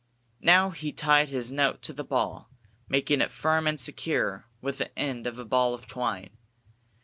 Now he tied his note to the ball, making it firm and secure with the end of a ball of twine.